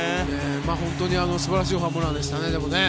本当に素晴らしいホームランでしたね。